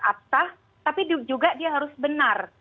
absah tapi juga dia harus benar